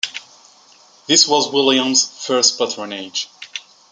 This was William's first Patronage.